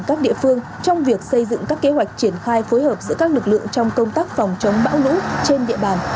các địa phương trong việc xây dựng các kế hoạch triển khai phối hợp giữa các lực lượng trong công tác phòng chống bão lũ trên địa bàn